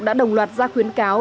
đã đồng loạt ra khuyến cáo